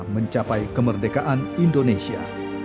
mencapai kemerdekaan indonesia